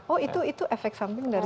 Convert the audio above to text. oh itu efek samping dari